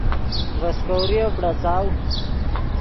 ڤے سیکوریف بڑاڅاؤ